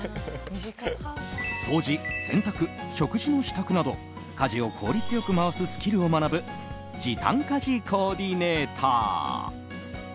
掃除、洗濯、食事の支度など家事を効率よく回すスキルを学ぶ時短家事コーディネーター。